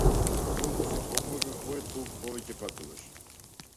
Колку си попознат поет толку повеќе патуваш.